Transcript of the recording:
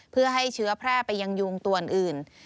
เพื่อให้เชื้อแพร่ไปยังยุงตัวอื่น